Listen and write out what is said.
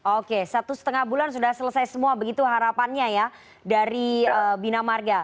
oke satu setengah bulan sudah selesai semua begitu harapannya ya dari bina marga